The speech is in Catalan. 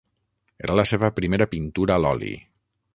Era la seva primera pintura a l'oli.